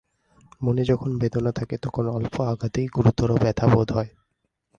মনে যখন বেদনা থাকে তখন অল্প আঘাতেই গুরুতর ব্যথা বোধ হয়।